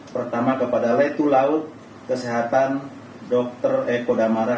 pertama kepada letulau kesehatan dr eko damara